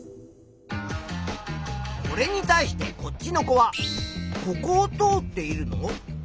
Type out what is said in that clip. これに対してこっちの子は「ここをとおっているの？」